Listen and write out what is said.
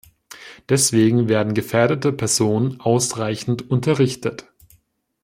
Deswegen werden gefährdete Personen ausreichend unterrichtet.